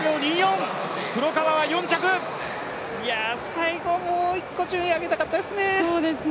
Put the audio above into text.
最後、もう１個、順位上げたかったですね。